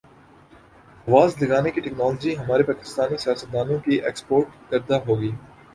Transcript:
was لگانے کی technology ہمارے پاکستانی سیاستدا نوں کی ایکسپورٹ کردہ ہوگی